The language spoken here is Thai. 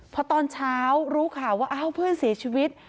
พอตอนเช้ารู้ข่าวว่าอ้าวเพื่อนเสียชีวิต